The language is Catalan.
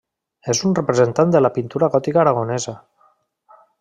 És un representant de la pintura gòtica aragonesa.